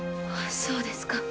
そうですか。